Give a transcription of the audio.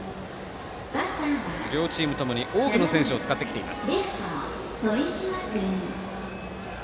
両チームともに多くの選手を使ってきています。